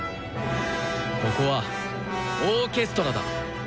ここはオーケストラだ。